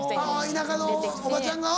田舎のおばちゃんが。